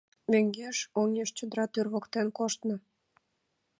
Мӧҥгеш-оньыш чодыра тӱр воктен коштна.